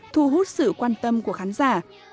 thu hút sự quan tâm của khán giả